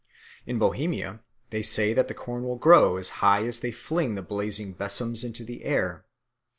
In Bohemia they say that the corn will grow as high as they fling the blazing besoms into the air.